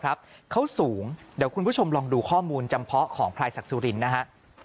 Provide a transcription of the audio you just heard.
เขาสูงเดี๋ยวคุณผู้ชมลองดูข้อมูลจำเพาะของพลายศักดิ์สุรินทร์นะฮะ